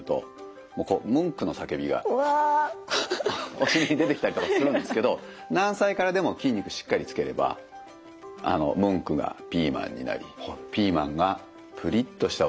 お尻に出てきたりとかするんですけど何歳からでも筋肉しっかりつければあのムンクがピーマンになりピーマンがプリっとしたお尻になり。